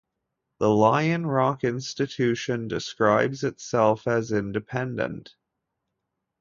The Lion Rock Institution describes itself as "independent".